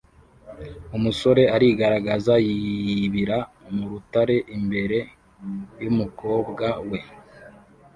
Umusore arigaragaza yibira mu rutare imbere yumukobwa we